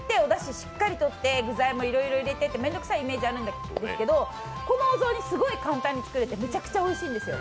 しっかりとって、具材をいっぱい入れてと面倒くさいイメージあるんですけどこのお雑煮簡単に作れてめちゃくちゃおいしいんですよ。